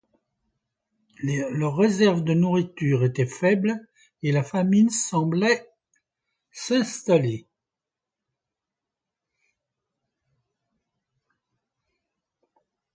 Leurs réserves de nourriture étaient faibles et la famine semblait s'installer.